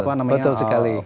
transformasi apa namanya